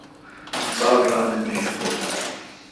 باڑ ران اہ میش مور۔